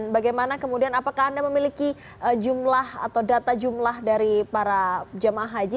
bagaimana kemudian apakah anda memiliki jumlah atau data jumlah dari para jemaah haji